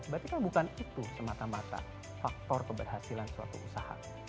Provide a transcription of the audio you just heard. berarti kan bukan itu semata mata faktor keberhasilan suatu usaha